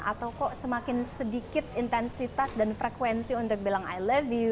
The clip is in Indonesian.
atau kok semakin sedikit intensitas dan frekuensi untuk bilang i love you